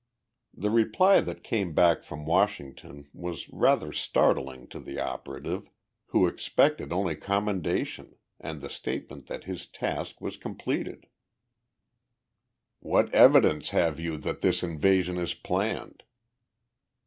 The reply that came back from Washington was rather startling to the operative, who expected only commendation and the statement that his task was completed. "What evidence have you that this invasion is planned?"